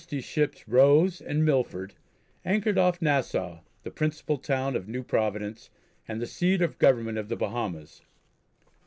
ships Rose and Milford, anchored off Nassau, the principal town of New Providence, and the seat of government of the Bahamas.